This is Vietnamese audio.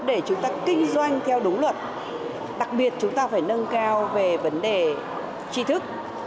để chúng ta kinh doanh theo đúng luật đặc biệt chúng ta phải nâng cao về vấn đề tri thức